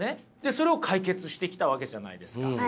それを解決してきたわけじゃないですか。